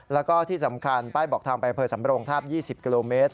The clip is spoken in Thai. แล้วก็ที่สำคัญป้ายบอกทางไปอำเภอสำรงทาบ๒๐กิโลเมตร